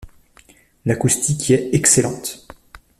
L’acoustique y est excellente.